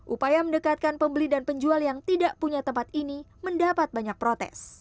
upaya mendekatkan pembeli dan penjual yang tidak punya tempat ini mendapat banyak protes